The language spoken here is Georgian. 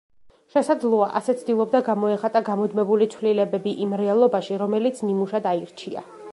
შესაძლოა, ასე ცდილობდა გამოეხატა გამუდმებული ცვლილებები იმ რეალობაში, რომელიც ნიმუშად აირჩია.